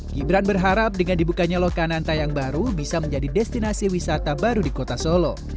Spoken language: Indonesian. gibran berharap dengan dibukanya lokananta yang baru bisa menjadi destinasi wisata baru di kota solo